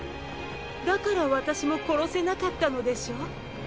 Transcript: だから私も殺せなかったのでしょうッ？